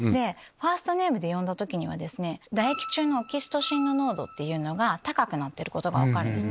ファーストネームで呼んだ時は唾液中のオキシトシン濃度が高くなってることが分かるんです。